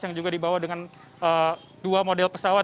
yang juga dibawa dengan dua model pesawat